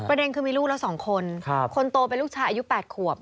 ประเด็นคือมีลูกละ๒คนคนโตเป็นลูกชายอายุ๘ขวบ